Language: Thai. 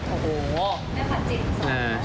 โอ้โหได้ผ่านจิตสอนด้วย